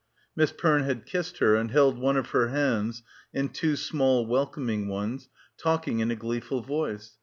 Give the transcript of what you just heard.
Miss Perne had kissed her and held one of her hands in two small welcoming ones, talking in a gleeful voice.